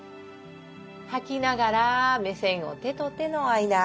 吐きながら目線を手と手の間。